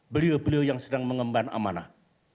beliau beliau yang sedang mengemban amanah